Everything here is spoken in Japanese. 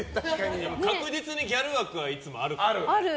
確実にギャル枠はいつもあるから。